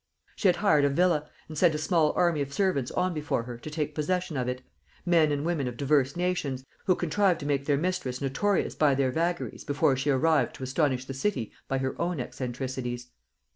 She had hired a villa, and sent a small army of servants on before her to take possession of it men and women of divers nations, who contrived to make their mistress notorious by their vagaries before she arrived to astonish the city by her own eccentricities.